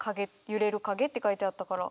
「揺れる影」って書いてあったから。